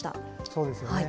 そうですよね。